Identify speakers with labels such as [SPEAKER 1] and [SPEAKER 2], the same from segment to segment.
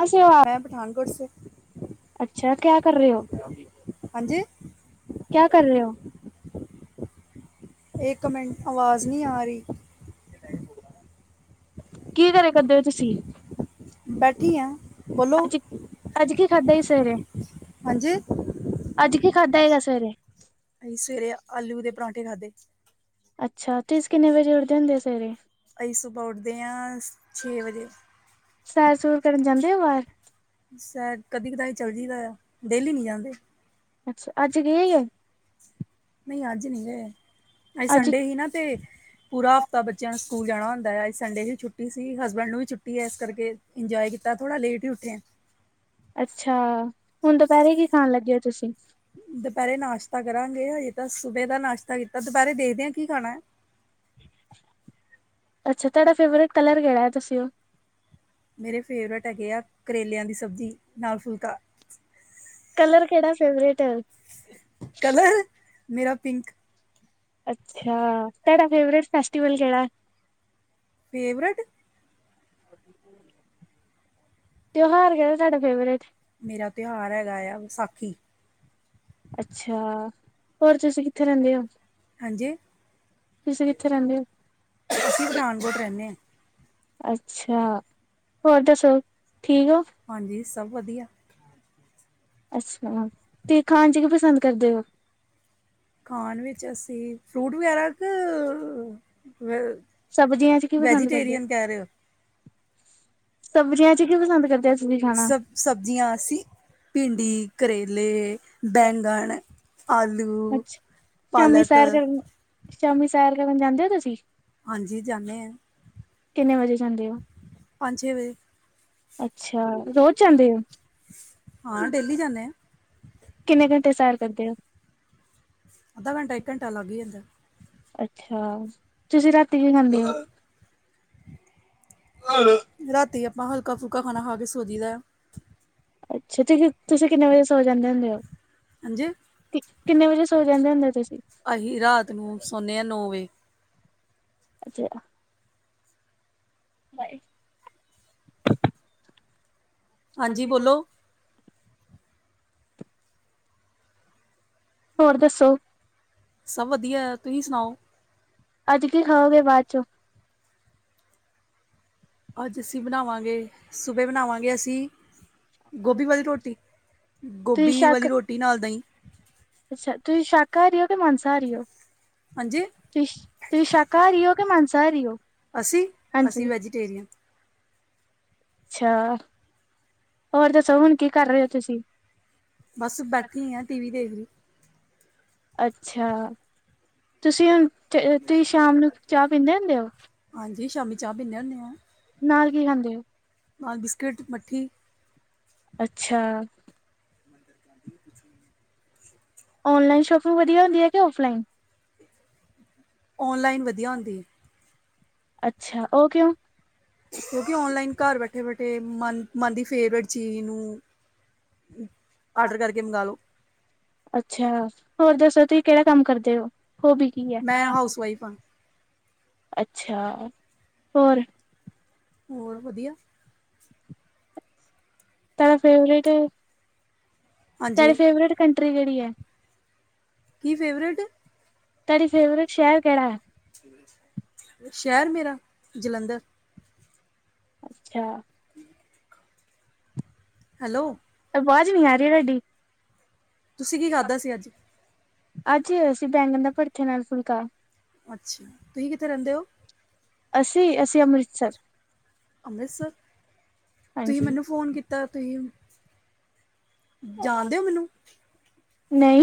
[SPEAKER 1] ਕੈਸੇ ਹੋ ਆਪ, ਅੱਛਾ ਕਿਆ ਕਰ ਰਹੇ ਹੋ?
[SPEAKER 2] ਹਾਂਜੀ?
[SPEAKER 1] ਕਿਆ ਕਰ ਰਹੇ ਹੋ?
[SPEAKER 2] ਇੱਕ ਮਿੰਟ ਅਵਾਜ਼ ਨਹੀਂ ਆ ਰਹੀ।
[SPEAKER 1] ਕੀ ਕਰੇ ਕਰਦੇ ਹੋ ਤੁਸੀਂ?
[SPEAKER 2] ਬੈਠੀ ਆ ਬੋਲੋ?
[SPEAKER 1] ਅੱਜ ਅੱਜ ਕਿ ਖਾਦਾ ਹੀ ਸਵੇਰੇ?
[SPEAKER 2] ਹਾਂਜੀ?
[SPEAKER 1] ਅੱਜ ਕੀ ਖਾਦਾ ਹੈਗਾ ਸਵੇਰੇ?
[SPEAKER 2] ਅਹੀ ਸਵੇਰੇ ਆਲੂ ਦੇ ਪਰਾਂਠੇ ਖਾਧੇ।
[SPEAKER 1] ਅੱਛਾ, ਤੁਸੀਂ ਕਿੰਨੇ ਵਜੇ ਉੱਠਦੇ ਹੁੰਦੇ ਆ ਸਵੇਰੇ?
[SPEAKER 2] ਅਸੀਂ ਸੁਬਹਾ ਉੱਠਦੇ ਹਾਂ ਛੇ ਵਜੇ।
[SPEAKER 1] ਸੈਰ ਸੂਰ ਕਰਨ ਜਾਂਦੇ ਹੋ ਬਾਹਾਰ?
[SPEAKER 2] ਸੈਰ, ਕਦੀ ਕਦਾਰ ਚੱਲ ਜਈਦਾ ਆ, ਡੇਲੀ ਨਹੀਂ ਜਾਂਦੇ।
[SPEAKER 1] ਅੱਛਾ, ਅੱਜ ਗਏ ਹੇ?
[SPEAKER 2] ਨਈ ਅੱਜ ਨਈ ਗਏ ਅੱਜ ਸੰਡੇ ਸੀ ਨਾ ਤੇ ਪੂਰਾ ਹਫ਼ਤਾ ਬੱਚਿਆਂ ਨੂੰ ਸਕੂਲ ਜਾਣਾ ਹੁੰਦਾ ਐ। ਅੱਜ ਸੰਡੇ ਸੀ, ਛੁੱਟੀ ਸੀ, ਹਸਬੈਂਡ ਨੂੰ ਵੀ ਛੁੱਟੀ ਐ ਇਸ ਕਰਕੇ ਇੰਜੋਏ ਕੀਤਾ ਥੋੜਾ ਲੇਟ ਹੀ ਉੱਠੇ ਆ।
[SPEAKER 1] ਅੱਛਾ, ਹੁਣ ਦੁਪਹਿਰੇ ਕੀ ਖਾਣ ਲੱਗੇ ਹੋ ਤੁਸੀਂ?
[SPEAKER 2] ਦੁਪਹਿਰੇ ਨਾਸ਼ਤਾ ਕਰਾਂਗੇ ਹਜੇ ਤਾਂ ਸੁਬਹੇ ਦਾ ਨਾਸ਼ਤਾ ਕੀਤਾ ਦੁਪਹਿਰੇ ਦੇਖਦੇ ਹਾਂ ਕੀ ਖਾਣਾ ਐ।
[SPEAKER 1] ਅੱਛਾ, ਤੁਹਾਡਾ ਫੇਵਰੇਟ ਕਲਰ ਕਿਹੜਾ ਹੈ ਦੱਸਿਓ
[SPEAKER 2] ਮੇਰੇ ਫੇਵਰੇਟ ਹੈਗੇ ਆ ਕਰੇਲਿਆਂ ਦੀ ਸਬਜ਼ੀ ਨਾਲ ਫੁਲਕਾ।
[SPEAKER 1] ਕਲਰ ਕਿਹੜਾ ਫੇਵਰੇਟ?
[SPEAKER 2] ਕਲਰ ਮੇਰਾ ਪਿੰਕ।
[SPEAKER 1] ਅੱਛਾ, ਤੁਹਾਡਾ ਫੇਵਰੇਟ ਫੈਸਟੀਵਲ ਕਿਹੜਾ?
[SPEAKER 2] ਫੇਵਰੇਟ?
[SPEAKER 1] [inaudible] ਤਿਉਹਾਰ ਕਿਹੜਾ ਤੁਹਾਡਾ ਫੇਵਰੇਟ?
[SPEAKER 2] ਮੇਰਾ ਤਿਉਹਾਰ ਹੈਗਾ ਆ ਵਿਸਾਖੀ।
[SPEAKER 1] ਅੱਛਾ, ਹੋਰ ਤੁਸੀ ਕੀ ਕਰਨ ਦਏ ਹੋ?
[SPEAKER 2] ਹਾਂਜੀ
[SPEAKER 1] ਤੁਸੀਂ ਕਿੱਥੇ ਰਹਿੰਦੇ ਹੋ?
[SPEAKER 2] ਅਸੀਂ ਪਠਾਨਕੋਟ ਰਹਿੰਦੇ ਹਾਂ
[SPEAKER 1] ਅੱਛਾ, ਹੋਰ ਦੱਸੋ ਠੀਕ ਹੋ!
[SPEAKER 2] ਹਾਂਜੀ, ਸਭ ਵਧੀਆ।
[SPEAKER 1] ਅੱਛਾ, ਤੇ ਖਾਣ ਚ ਕੀ ਪਸੰਦ ਕਰਦੇ ਹੋ?
[SPEAKER 2] ਖਾਣ ਵਿੱਚ ਅਸੀਂ ਫਰੂਟ ਵਗੈਰਾ ਕ ਵ
[SPEAKER 1] ਸਬਜ਼ੀਆਂ ਚ ਕੀ ਪਸੰਦ ਕਰਦੇ
[SPEAKER 2] ਵੈਜੀਟੇਰੀਅਨ ਕਹਿ ਰਹੇ ਹੋ!
[SPEAKER 1] ਸਬਜ਼ੀਆਂ ਚ ਕੀ ਪਸੰਦ ਕਰਦੇ ਆ? ਅਸਲੀ ਖਾਣਾ।
[SPEAKER 2] ਸਬ ਸਬਜ਼ੀਆਂ ਅਸੀਂ ਭਿੰਡੀ, ਕਰੇਲੇ। ਬੈਂਗਣ, ਆਲੂ,
[SPEAKER 1] ਅੱਛਾ ਸ਼ਾਮੀ
[SPEAKER 2] ਪਾਲਕ।
[SPEAKER 1] ਸੈਰ ਕਰਨ ਸ਼ਾਮੀ, ਸੈਰ ਕਰਨ ਜਾਂਦੇ ਹੋ ਤੁਸੀਂ?
[SPEAKER 2] ਹਾਂਜੀ, ਜਾਂਦੇ ਹਾਂ
[SPEAKER 1] ਕਿੰਨੇ ਵਜੇ ਜਾਂਦੇ ਹੋ
[SPEAKER 2] ਪੰਜ, ਛੇ ਵਜੇ।
[SPEAKER 1] ਅੱਛਾ, ਰੋਜ਼ ਜਾਂਦੇ ਹੋ?
[SPEAKER 2] ਹਾਂ, ਡੇਲੀ ਜਾਂਦੇ ਹਾਂ।
[SPEAKER 1] ਕਿੰਨੇ ਘੰਟੇ ਸੈਰ ਕਰਦੇ ਹੋ?
[SPEAKER 2] ਅੱਧਾ ਘੰਟਾ, ਇੱਕ ਘੰਟਾ ਲੱਗ ਹੀ ਜਾਂਦਾ।
[SPEAKER 1] ਅੱਛਾ, ਤੁਸੀਂ ਰਾਤੀ ਕੀ ਖਾਂਦੇ ਹੋ?
[SPEAKER 2] ਰਾਤੀ ਆਪਾਂ ਹਲਕਾ, ਫੁਲਕਾ ਖਾਣਾ ਖਾ ਕੇ ਸੋਜੀ ਦਾ।
[SPEAKER 1] ਅੱਛਾ, ਤੁ ਤੁਸੀਂ ਕਿੰਨੇ ਵਜੇ ਸੌ ਜਾਂਦੇ ਹੁੰਦੇ ਹੋ?
[SPEAKER 2] ਹਾਂਜੀ
[SPEAKER 1] ਕਿੰਨੇ ਵਜੇ, ਸੋ ਜਾਂਦੇ ਹੁੰਦੇ ਤੁਸੀਂ?
[SPEAKER 2] ਅਸੀਂ ਰਾਤ ਨੂੰ ਸੌਦੇ ਹਾਂ, ਨੌ ਵਜੇ।
[SPEAKER 1] [unintelligible] [unintelligible] ਬਾਏ।
[SPEAKER 2] ਹਾਂਜੀ, ਬੋਲੋ?
[SPEAKER 1] ਹੋਰ ਦੱਸੋ?
[SPEAKER 2] ਸਭ ਵਧੀਆ, ਤੁਸੀਂ ਸੁਣਾਓ?
[SPEAKER 1] ਅੱਜ ਕੀ ਖਾਓਗੇ ਬਾਅਦ ਚੋਂ?
[SPEAKER 2] ਅੱਜ ਅਸੀਂ ਬਣਾਵਾਂਗੇ ਸੁਬਹ ਬਣਾਵਾਂਗੇ? ਅਸੀਂ ਗੋਭੀ ਵਾਲੀ ਰੋਟੀ,
[SPEAKER 1] ਤੁਸੀਂ
[SPEAKER 2] ਗੋਭੀ
[SPEAKER 1] ਸ਼ਾਕ
[SPEAKER 2] ਵਾਲੀ ਰੋਟੀ ਨਾਲ ਦਹੀਂ।
[SPEAKER 1] ਅੱਛਾ, ਤੁਸੀਂ ਸ਼ਾਕਾਹਾਰੀ ਓ ਕਿ ਮਾਸਾ ਹਾਰੀ ਹੋ?
[SPEAKER 2] ਹਾਂਜੀ
[SPEAKER 1] ਤੁਸੀਂ, ਤੁਸੀਂ ਸ਼ਾਕਾਹਾਰੀ ਹੋ ਕੇ ਮਾਨਸਾਹਾਰੀ ਓ? ਹਾਂਜੀ।
[SPEAKER 2] ਤੇਰੀਆਂ [unintelligible]
[SPEAKER 1] ਅੱਛਾ, ਹੋਰ ਦੱਸੋ ਹੁਣ ਕੀ ਕਰ ਰਹੇ ਹੋ ਤੁਸੀਂ?
[SPEAKER 2] ਬਸ, ਬੈਠੀ ਆ ਟੀ, ਵੀ ਦੇਖ ਰਹੀ।
[SPEAKER 1] ਅੱਛਾ, ਤੁਸੀਂ ਹੁਣ, ਤੁਸੀਂ ਸ਼ਾਮ ਨੂੰ ਚਾਹ ਪੀਂਦੇ ਹੁੰਦੇ ਹੋ?
[SPEAKER 2] ਹਾਂਜੀ, ਸ਼ਾਮੀ ਚਾਹ ਪੀਂਦੇ ਹੁੰਦੇ ਆ।
[SPEAKER 1] ਨਾਲ ਕੀ ਖਾਂਦੇ ਹੋ?
[SPEAKER 2] ਅ ਬਿਸਕਿਟ, ਮੱਠੀ।
[SPEAKER 1] ਅੱਛਾ।
[SPEAKER 2] [inaudible] [unintelligible]
[SPEAKER 1] ਔਨਲਾਈਨ ਸ਼ੋਪਿੰਗ ਵਧੀਆ ਹੁੰਦੀ ਹੈ ਕਿ ਔਫਲਾਈਨ?
[SPEAKER 2] ਔਨਲਾਈਨ, ਵਧੀਆ ਹੁੰਦੀ।
[SPEAKER 1] ਅੱਛਾ, ਉਹ ਕਿਉਂ?
[SPEAKER 2] ਕਿਉਂਕਿ ਓਨਲਾਈਨ ਘਰ ਬੈਠੇ ਬੈਠੇ ਮਨ, ਮਨ ਦੀ ਫੇਵਰੇਟ ਚੀਜ਼ ਨੂੰ ਆਰਡਰ ਕਰ ਕੇ ਮੰਗਵਾ ਲੋਂ।
[SPEAKER 1] ਅੱਛਾ, ਹੋਰ ਦੱਸੋ ਤੁਸੀਂ ਕਿਹੜਾ ਕੰਮ ਕਰਦੇ ਹੋ? ਹੋਬੀ ਕੀ ਏ?
[SPEAKER 2] ਮੈਂ ਹਾਊਸ ਵਾਈਫ ਹਾਂ
[SPEAKER 1] ਅੱਛਾ, ਹੋਰ।
[SPEAKER 2] ਹੋਰ, ਵਧੀਆ।
[SPEAKER 1] ਤੁਹਾਡਾ ਫੇਵਰੇਟ? ਤੁਹਾਡੀ
[SPEAKER 2] ਹਾਂਜੀ
[SPEAKER 1] ਫੇਵਰੇਟ, ਕੰਟਰੀ ਕਿਹੜੀ ਹੈ?
[SPEAKER 2] ਕੀ ਫੇਵਰੇਟ?
[SPEAKER 1] ਤੁਹਾਡੀ ਫੇਵਰੇਟ ਸ਼ਹਿਰ ਕਿਹੜਾ ਹੈ?
[SPEAKER 2] ਸ਼ਹਿਰ ਮੇਰਾ, ਜਲੰਧਰ।
[SPEAKER 1] ਅੱਛਾ।
[SPEAKER 2] [inaudible] [unintelligible] ਹੈਲੋ।
[SPEAKER 1] ਆਵਾਜ਼, ਨੀ ਆ ਰਹੀ ਤੁਹਾਡੀ?
[SPEAKER 2] ਤੁਸੀਂ ਕੀ ਖਾਧਾ ਸੀ ਅੱਜ
[SPEAKER 1] ਅੱਜ ਅਸੀ ਬੈਂਗਣ ਦੇ ਬੜਥੇ ਨਾਲ ਫੁਲਕਾ।
[SPEAKER 2] ਅੱਛਾ, ਤੁਸੀਂ ਕਿੱਥੇ ਰਹਿੰਦੇ ਓ?
[SPEAKER 1] ਅਸੀਂ ਅਸੀਂ ਅੰਮ੍ਰਿਤਸਰ
[SPEAKER 2] ਅੰਮ੍ਰਿਤਸਰ ਤੁਸੀ
[SPEAKER 1] ਹਾਂਜੀ
[SPEAKER 2] ਮੈਨੂੰ ਫੋਨ ਕੀਤਾ। ਤ ਤੁਸੀ ਹੋ ਮੈਨੂੰ
[SPEAKER 1] ਨਈ।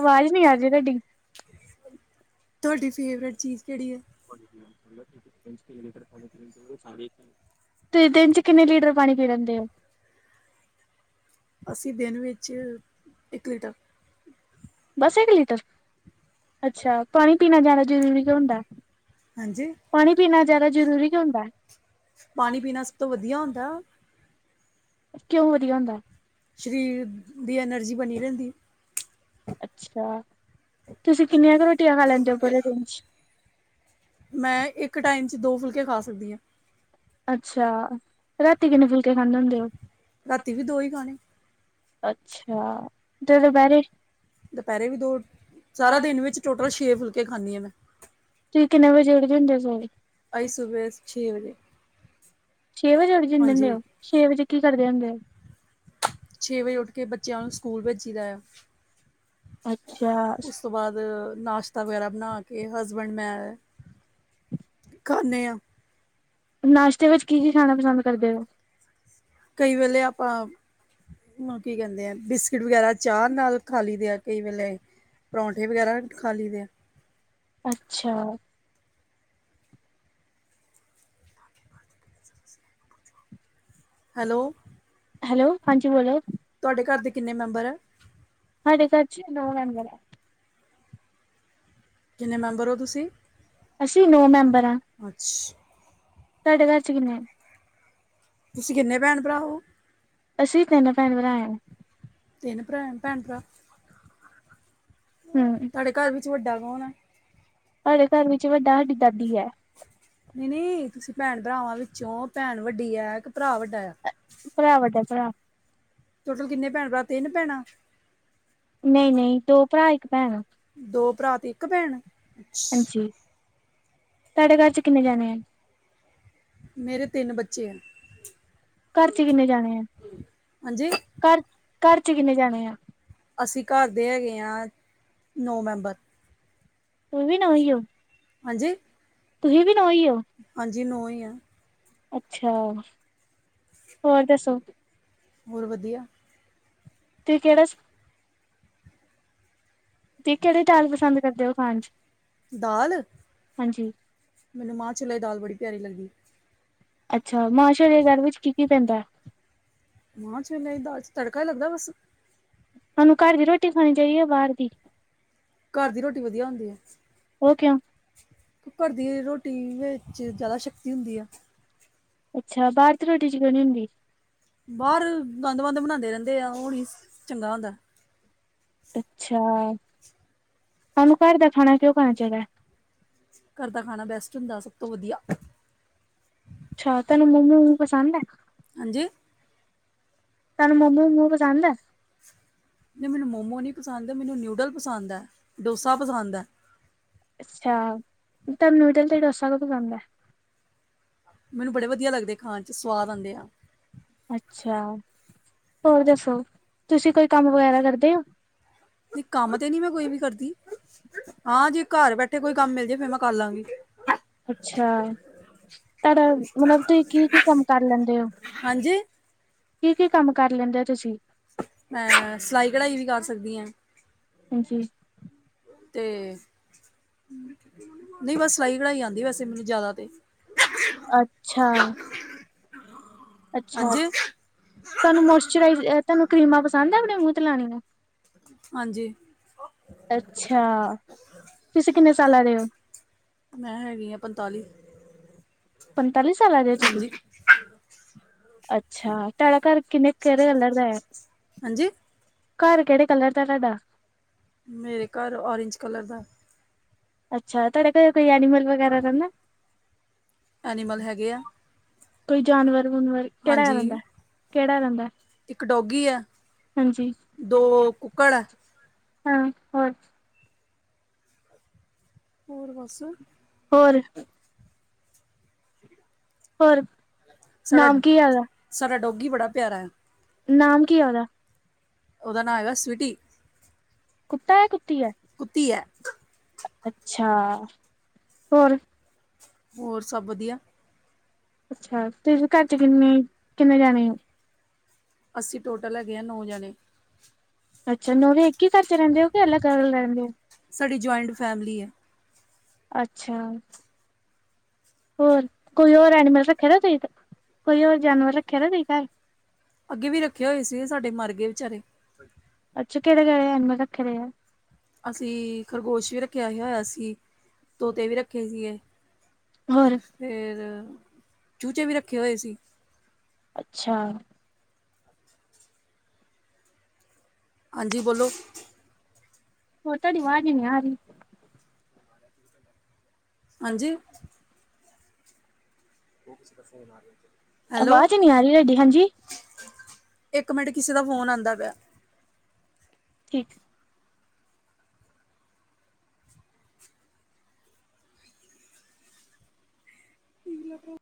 [SPEAKER 1] ਆਵਾਜ਼ ਨੀ ਆ ਰਹੀ ਤੁਆਡੀ
[SPEAKER 2] ਤੁਆਡੀ ਫੇਵਰੇਟ ਚੀਜ਼ ਕਿਹੜੀ ਹੈ?
[SPEAKER 1] ਤੇ ਦਿਨ ਚ ਕਿੰਨੇ ਲੀਟਰ ਪਾਣੀ ਪੀ ਲੈਦੇ ਓ?
[SPEAKER 2] ਅਸੀਂ ਦਿਨ ਵਿੱਚ ਇੱਕ ਲੀਟਰ
[SPEAKER 1] ਬਸ ਇੱਕ ਲੀਟਰ ਅੱਛਾ, ਪਾਣੀ ਪੀਣਾ ਜਿਆਦਾ ਜਰੂਰੀ ਕਿਉ ਹੁੰਦਾ?
[SPEAKER 2] ਹਾਂਜੀ।
[SPEAKER 1] ਪਾਣੀ ਪੀਣਾ ਜ਼ਿਆਦਾ ਜਰੂਰੀ ਕਿਉ ਹੁੰਦਾ?
[SPEAKER 2] ਪਾਣੀ ਪੀਣਾ ਸਭ ਤੋਂ ਵਧੀਆ ਹੁੰਦਾ।
[SPEAKER 1] ਕਿਉਂ ਵਧੀਆ ਹੁੰਦਾ?
[SPEAKER 2] ਸ਼ਰੀਰ ਦੀ ਐਨਰਜੀ ਬਣੀ ਰਹਿੰਦੀ ਐ।
[SPEAKER 1] ਅੱਛਾ, ਤੁਸੀਂ ਕਿੰਨੀਆਂ ਕੁ ਰੋਟੀਆਂ ਖਾ ਲੈਂਦੇ ਹੋ। ਪੂਰੇ ਦਿਨ ਚ
[SPEAKER 2] ਮੈਂ ਇੱਕ ਟਾਈਮ ਚ ਦੋ ਫੁਲਕੇ ਖਾ ਸਕਦੀ ਆ।
[SPEAKER 1] ਅੱਛਾ, ਰਾਤੀ ਕਿੰਨੇ ਫੁਲਕੇ ਖਾਂਦੇ ਹੁੰਦੇ ਓ?
[SPEAKER 2] ਰਾਤੀ ਵੀ ਦੋ ਈ ਖਾਣੇ।
[SPEAKER 1] ਅੱਛਾ, ਤੇ ਦੁਪਹਿਰੇ
[SPEAKER 2] ਦੁਪਹਿਰੇ ਵੀ ਦੋ, ਸਾਰਾ ਦਿਨ ਵਿੱਚ ਟੋਟਲ ਛੇ ਫੁਲਕੇ ਖਾਂਣੀ ਆ ਮੈਂ।
[SPEAKER 1] ਤੁਸੀਂ ਕਿੰਨੇ ਵਜੇ ਉਠ ਜਾਂਦੇ ਓ ਸਵੇਰੇ?
[SPEAKER 2] ਅਸੀ ਸੁਵੇਰੇ ਛੇ ਵਜੇ।
[SPEAKER 1] ਛੇ ਵਜੇ ਉਠ ਜਾਂਦੇ ਹੁੰਦੇ
[SPEAKER 2] ਹਾਂਜੀ
[SPEAKER 1] ਓ, ਛੇ ਵਜੇ ਕੀ ਕਰਦੇ ਹੁੰਦੇ ਓ?
[SPEAKER 2] ਛੇ ਵਜੇ ਉੱਠ ਕੇ ਬੱਚਿਆਂ ਨੂੰ ਸਕੂਲ ਭੇਜੀ ਦਾ ਐ।
[SPEAKER 1] ਅੱਛਾ।
[SPEAKER 2] ਉਸ ਤੋਂ ਬਾਅਦ ਨਾਸ਼ਤਾ ਵਗੈਰਾ ਬਣਾ ਕੇ, ਹਸਬੈਂਡ ਮੈਂ ਖਾਣੇ ਆ।
[SPEAKER 1] ਨਾਸ਼ਤੇ ਵਿੱਚ ਕੀ-ਕੀ ਖਾਣਾ ਪਸੰਦ ਕਰਦੇ ਓ?
[SPEAKER 2] ਕਈ ਵੇਲੇ ਆਪਾਂ ਓ ਕੀ ਕਹਿੰਦੇ ਆ, ਬਿਸਕਿਟ ਵਗੈਰਾ ਚਾਹ ਨਾਲ ਖਾ ਲਈਦੇ ਆ ਕਈ ਵੇਲੇ ਪਰੌਂਠੇ ਵਗੈਰਾ ਵੀ ਖਾ ਲਈ ਦੇ ਆ।
[SPEAKER 1] ਅੱਛਾ ਹੈਲੋ, ਹਾਂਜੀ ਬੋਲੋ।
[SPEAKER 2] ਤੁਆਡੇ ਘਰ ਦੇ ਕਿੰਨੇ ਮੈਂਬਰ ਆ।
[SPEAKER 1] ਸਾਡੇ ਘਰ ਚ ਨੌ ਮੈਂਬਰ ਆ। ਕਿੰਨੇ ਮੈਂਬਰ ਓ, ਅਸੀਂ ਨੌਂ ਮੈਂਬਰ ਆ।
[SPEAKER 2] ਅੱਛਾ
[SPEAKER 1] ਤੁਆਡੇ ਘਰ ਚ ਕਿੰਨੇ?
[SPEAKER 2] ਤੁਸੀਂ ਕਿੰਨੇ ਭੈਣ- ਭਰਾ ਓ?
[SPEAKER 1] ਅਸੀਂ ਤਿੰਨ ਭੈਣ-ਭਰਾ ਆ।
[SPEAKER 2] ਤਿੰਨ ਭਰਾ ਭੈਣ-ਭਰਾ
[SPEAKER 1] ਹਮ
[SPEAKER 2] ਤੁਆਡੇ ਘਰ ਵਿੱਚ ਵੱਡਾ ਕੌਣ ਆ?
[SPEAKER 1] ਸਾਡੇ ਘਰ ਵਿੱਚ ਵੱਡਾ ਸਾਡੀ ਦਾਦੀ ਐ।
[SPEAKER 2] ਨਹੀਂ-ਨਹੀਂ ਤੁਸੀਂ ਭੈਣ ਭਰਾਵਾਂ ਵਿੱਚੋਂ, ਭੈਣ ਵੱਡੀ ਆ ਕੇ ਭਰਾ ਵੱਡਾ ਐ।
[SPEAKER 1] ਭਰਾ ਵੱਡਾ, ਭਰਾ।
[SPEAKER 2] ਟੋਟਲ ਕਿੰਨੇ ਭੈਣ ਭਰਾ, ਤਿੰਨ ਭੈਣਾਂ।
[SPEAKER 1] ਨਈ-ਨਈ ਦੋ ਭਰਾ ਇੱਕ ਭੈਣ ਐ।
[SPEAKER 2] ਦੋ ਭਰਾ ਤੇ ਇੱਕ ਭੈਣ।
[SPEAKER 1] ਹਾਂਜੀ ਤੁਹਾਡੇ ਘਰ ਚ, ਕਿੰਨੇ ਜਾਣੇ ਆ।
[SPEAKER 2] ਮੇਰੇ ਤਿੰਨ ਬੱਚੇ ਆ।
[SPEAKER 1] ਘਰ ਚ ਕਿੰਨੇ ਜਾਣੇ ਆ?
[SPEAKER 2] ਹਾਂਜੀ
[SPEAKER 1] ਘਰ-ਘਰ ਚ ਕਿੰਨੇ ਜਾਣੇ ਆ, ਅਸੀਂ ਘਰ
[SPEAKER 2] ਦੇਖ ਯਾਰ ਨੋ ਮੈਂਬਰ।
[SPEAKER 1] ਤੁਸੀ ਵੀ ਨੌ ਹੀ ਹੋ? ਹਾਂਜੀ, ਤੁਸੀ ਵੀ ਨੌ ਹੀ ਹੋ?
[SPEAKER 2] ਹਾਂਜੀ ਨੌ ਹੀ ਆ।
[SPEAKER 1] ਅੱਛਾ, ਹੋਰ ਦੱਸੋ?
[SPEAKER 2] ਹੋਰ ਵਧੀਆ
[SPEAKER 1] ਤੁਸੀ ਕਿਹੜਾ ਤੇ ਕਿਹੜੀ ਦਾਲ ਪਸੰਦ ਕਰਦੇ ਹੋ, ਖਾਣ ਚ
[SPEAKER 2] ਦਾਲ
[SPEAKER 1] ਹਾਂਜੀ?
[SPEAKER 2] ਮੈਨੂੰ ਮਾਂ ਛੋਲਿਆਂ ਦੀ ਦਾਲ, ਬੜੀ ਪਿਆਰੀ ਲੱਗਦੀ।
[SPEAKER 1] ਅੱਛਾ ਮਾ ਛੋਲਿਆਂ ਦੀ ਦਾਲ ਵਿਚ ਕੀ-ਕੀ ਪੈਂਦਾ?
[SPEAKER 2] ਮਾ ਛੋਲਿਆਂ ਦੀ ਦਾਲ ਚ, ਤੜਕਾ ਹੀ ਲੱਗਦਾ ਬਸ।
[SPEAKER 1] ਸਾਨੂੰ ਘਰ ਦੀ ਰੋਟੀ ਖਾਣੀ ਚਾਹੀਦੀ ਹੈ, ਜਾ ਬਾਹਰ ਦੀ।
[SPEAKER 2] ਘਰ ਦੀ ਰੋਟੀ ਵਧੀਆ ਹੁੰਦੀ ਹੈ।
[SPEAKER 1] ਉਹ ਕਿਉਂ?
[SPEAKER 2] ਘਰ ਦੀ ਰੋਟੀ ਵਿੱਚ, ਜ਼ਿਆਦਾ ਸ਼ਕਤੀ ਹੁੰਦੀ ਆ।
[SPEAKER 1] ਅੱਛਾ ਬਾਹਰ ਰੋਟੀ ਚ, ਕਿਉੰ ਨਹੀਂ ਹੁੰਦੀ।
[SPEAKER 2] ਬਾਹਰ ਗੰਦ- ਬੰਦ ਬਣਾਉਂਦੇ ਰਹਿੰਦੇ ਆ, ਉਹ ਨਹੀਂ ਚੰਗਾ ਹੁੰਦਾ।
[SPEAKER 1] ਅੱਛਾ, ਸਾਨੂੰ ਘਰ ਦਾ ਖਾਣਾ, ਕਿਉਂ ਖਾਣਾ ਚਾਹੀਦਾ?
[SPEAKER 2] ਘਰ ਦਾ ਖਾਣਾ, ਬੈਸਟ ਹੁੰਦਾ ਸਭ ਤੋਂ ਵਧੀਆ।
[SPEAKER 1] ਅੱਛਾ, ਤੁਹਾਨੂੰ ਮੋਮੋ-ਮੋਮੋ ਪਸੰਦ ਹੈ।
[SPEAKER 2] ਹਾਂਜੀ।
[SPEAKER 1] ਤੁਹਾਨੂੰ ਮੋਮੋ-ਮੋਮੋ ਪਸੰਦ ਹੈ?
[SPEAKER 2] ਨਹੀਂ, ਮੈਨੂੰ ਮੋਮੋ ਨੀ ਪਸੰਦ, ਮੈਨੂੰ ਨਿਊਡਲ ਪਸੰਦ ਹੈ, ਡੋਸਾ ਪਸੰਦ ਹੈ।
[SPEAKER 1] ਅੱਛਾ ਤੁਹਾਨੂੰ ਨਿਊਡਲ ਤੇ ਡੋਸਾ ਕਿਉਂ ਪਸੰਦ ਹੈ?
[SPEAKER 2] ਮੈਨੂੰ ਬੜੇ ਵਧੀਆ ਲੱਗਦੇ, ਖਾਣ ਚ ਸਵਾਦ ਆਉਂਦੇ ਆ।
[SPEAKER 1] ਅੱਛਾ ਹੋਰ ਦੱਸੋ? ਤੁਸੀਂ, ਕੋਈ ਕੰਮ ਵਗੈਰਾ ਕਰਦੇ ਹੋ?
[SPEAKER 2] ਨਹੀਂ ਕੰਮ ਤੇ ਨਹੀਂ ਮੈਂ ਕੋਈ ਵੀ ਕਰਦੀ। ਹਾਂ, ਜੇ ਘਰ ਬੈਠੇ ਕੋਈ ਕੰਮ ਮਿਲ ਜੇ, ਫੇਰ ਮੈਂ ਕਰ ਲਾਂਗੀ।
[SPEAKER 1] ਅੱਛਾ, ਪਰ ਹੁਣ ਤੁਸੀਂ ਕੀ-ਕੀ ਕੰਮ ਕਰ ਲੈਂਦੇ ਹੋ?
[SPEAKER 2] ਹਾਂਜੀ।
[SPEAKER 1] ਕੀ-ਕੀ ਕੰਮ ਕਰ ਲੈਂਦੇ ਹੋ ਤੁਸੀਂ?
[SPEAKER 2] ਅਹ, ਸਿਲਾਈ ਕਢਾਈ, ਵੀ ਕਰ ਸਕਦੀ ਹਾਂ।
[SPEAKER 1] ਹਾਂਜੀ।
[SPEAKER 2] ਤੇ, ਨਹੀਂ ਬਸ ਸਲਾਈ ਕਢਾਈ ਆਉਂਦੀ ਵੈਸੇ, ਮੈਨੂੰ ਜ਼ਿਆਦਾ ਤੇ।
[SPEAKER 1] ਅੱਛਾ-ਅੱਛਾ।
[SPEAKER 2] ਹਾਂਜੀ
[SPEAKER 1] ਤੁਹਾਨੂੰ ਮੋਇਸਚਰਾਈਜ਼, ਤੁਹਾਨੂੰ ਕਰੀਮਾਂ, ਪਸੰਦ ਹੈ ਆਪਣੇ, ਮੂੰਹ ਤੇ ਲਾਨੀਆ।
[SPEAKER 2] ਹਾਂਜੀ।
[SPEAKER 1] ਅੱਛਾ, ਤੁਸੀਂ ਕਿੰਨੇ ਸਾਲਾਂ ਦੇ ਹੋ?
[SPEAKER 2] ਮੈਂ ਹੈਗੀ ਹਾਂ ਪੰਤਾਲੀ।
[SPEAKER 1] ਪੰਤਾਲੀ ਸਾਲਾਂ ਦੇ ਹੋ ਤੁਸੀਂ?
[SPEAKER 2] ਹਾਂਜੀ
[SPEAKER 1] ਅੱਛਾ, ਤੁਹਾਡਾ ਘਰ ਕਿੰਨੇ ਕਿਹੜੇ ਕਲਰ ਦਾ ਏ?
[SPEAKER 2] ਹਾਂਜੀ
[SPEAKER 1] ਘਰ, ਕਿਹੜੇ ਕਲਰ ਦਾ ਤਾਡਾ
[SPEAKER 2] ਮੇਰੇ ਘਰ, ਔਰੇਂਜ ਕਲਰ ਦਾ
[SPEAKER 1] ਅੱਛਾ, ਤੁਹਾਡੇ ਕੋਲ ਕੋਈ ਐਨੀਮਲ, ਵਗੈਰਾ ਰਹਿੰਦਾ
[SPEAKER 2] ਐਨੀਮਲ ਹੈਗੇ ਆ
[SPEAKER 1] ਕੋਈ ਜਾਨਵਰ ਜੁਨਵਰ ਕਿਹੜਾ
[SPEAKER 2] ਹਾਂਜੀ
[SPEAKER 1] ਰਹਿੰਦਾ-ਕਿਹੜਾ ਰਹਿੰਦਾ
[SPEAKER 2] ਇੱਕ ਡੋਗੀ ਹੈ
[SPEAKER 1] ਹਾਂਜੀ
[SPEAKER 2] ਦੋ ਕੁੱਕੜ
[SPEAKER 1] ਹਾਂ ਹੋਰ
[SPEAKER 2] ਹੋਰ ਬਸ
[SPEAKER 1] ਹੋਰ। ਹੋਰ।
[SPEAKER 2] ਸਾਡਾ
[SPEAKER 1] ਨਾਮ ਕੀ ਆਦਾ
[SPEAKER 2] ਸਾਡਾ ਡੋਗੀ ਬੜਾ ਪਿਆਰਾ ਹੈ
[SPEAKER 1] ਨਾਮ ਕੀ ਉਹਦਾ।
[SPEAKER 2] ਉਹਦਾ ਨਾਂ ਹੈਗਾ ਸਵੀਟੀ।
[SPEAKER 1] ਕੁੱਤਾ ਹੈ ਕੁੱਤੀ ਹੈ
[SPEAKER 2] ਕੁੱਤੀ ਹੈ
[SPEAKER 1] ਅੱਛਾ ਹੋਰ।
[SPEAKER 2] ਹੋਰ ਸਭ ਵਧੀਆ।
[SPEAKER 1] ਅੱਛਾ ਤੁਸੀ ਘਰ ਚ ਕਿੰਨੇ ਕਿੰਨੇ ਜਾਣੇ ਹੋ।
[SPEAKER 2] ਅਸੀ ਟੋਟਲ ਹੈਗੇ ਹਾਂ ਨੌਂ ਜਾਣੇ।
[SPEAKER 1] ਅੱਛਾ ਨੋਵੇਂ ਇੱਕ ਹੀ ਘਰ ਚ ਰਹਿੰਦੇ ਹੋ ਕਿ ਅਲੱਗ ਅਲਗ ਰਹਿੰਦੇ ਹੋ।
[SPEAKER 2] ਸਾਡੀ ਜੁਆਇੰਟ ਫੈਮਿਲੀ ਹੈ।
[SPEAKER 1] ਅੱਛਾ। ਹੋਰ ਕੋਈ ਹੋਰ ਐਨੀਮਲ ਰੱਖਿਆ ਨਾ ਤੁਸੀਂ ਕੋਈ ਹੋਰ ਜਾਨਵਰ ਰੱਖਿਆ ਨਾ ਤੁਸੀਂ ਘਰ।
[SPEAKER 2] ਅੱਗੇ ਵੀ ਰੱਖੇ ਹੋਏ ਸੀ ਸਾਡੇ ਮਰ ਗਏ ਵਿਚਾਰੇ
[SPEAKER 1] ਅੱਛਾ ਕਿਹੜੇ ਕਿਹੜੇ ਐਨੀਮਲ ਰੱਖੇ ਆ।
[SPEAKER 2] ਅਸੀਂ ਖਰਗੋਸ਼ ਵੀ ਰੱਖਿਆ ਹੀ ਹੋਇਆ ਸੀ। ਤੋਤੇ ਵੀ ਰੱਖੇ ਸੀਗੇ
[SPEAKER 1] ਹੋਰ
[SPEAKER 2] ਫੇਰ ਚੂਚੇ ਵੀ ਰੱਖੇ ਹੋਏ ਸੀ।
[SPEAKER 1] ਅੱਛਾ।
[SPEAKER 2] ਹਾਂਜੀ ਬੋਲੋ।
[SPEAKER 1] ਹੋਰ ਤੁਹਾਡੀ ਅਵਾਜ ਨਹੀ ਆ ਰਹੀ।
[SPEAKER 2] ਹਾਂਜੀ। ਉਫਿਸ ਤੋ ਫੋਨ ਆ ਗਯਾ।
[SPEAKER 1] ਆਵਾਜ਼ ਨਹੀਂ ਆ ਰਹੀ ਤਵਾਡੀ ਹਾਂਜੀ।
[SPEAKER 2] ਇੱਕ ਮਿੰਟ ਕਿਸੇ ਦਾ ਫੋਨ ਆਉਂਦਾ ਪਿਆ।
[SPEAKER 1] ਠੀਕ।
[SPEAKER 2] ਠੀਕ ਹੈ ਤੇ। [unintelligible]